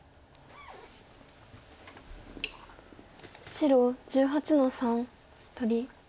白１８の三取り。